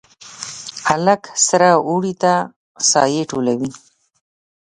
هلک سره اوړي ته سایې ټولوي